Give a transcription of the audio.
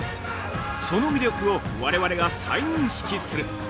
その魅力を我々が再認識する。